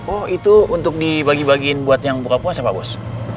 oh itu untuk dibagi bagiin buat yang buka puas ya amos